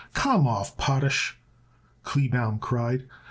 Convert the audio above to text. "Come off, Potash!" Kleebaum cried.